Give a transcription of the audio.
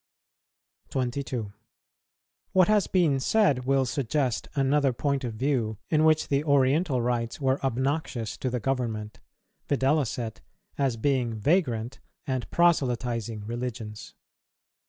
22. What has been said will suggest another point of view in which the Oriental rites were obnoxious to the government, viz., as being vagrant and proselytizing religions.